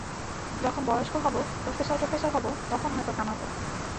যখন বয়স্ক হব, প্রফেসর-ট্রফেসর হব, তখন হয়তো ঘামাব!